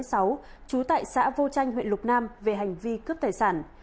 trú tại xã vô chanh huyện lục nam về hành vi cướp tài sản